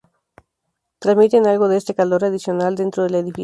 Transmiten algo de este calor adicional dentro del edificio.